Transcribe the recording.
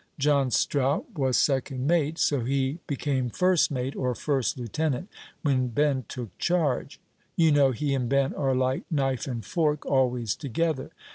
John Strout was second mate; so he became first mate, or first lieutenant, when Ben took charge; you know he and Ben are like knife and fork always together.